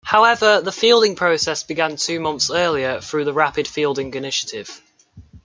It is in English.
However, the fielding process began two months earlier through the Rapid Fielding Initiative.